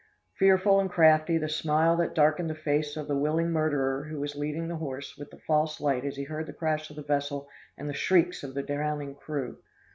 Fearful and crafty the smile that darkened the face of the willing murderer who was leading the horse with the false light as he heard the crash of the vessel and the shrieks of the drowning crew!